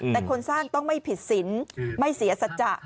แต่คนสร้างต้องไม่ผิดสินไม่เสียสัจจะ